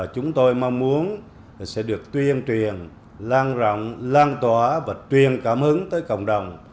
chúng tôi mong muốn sẽ được tuyên truyền lan rộng lan tỏa và truyền cảm hứng tới cộng đồng